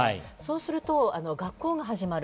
すると、学校が始まる。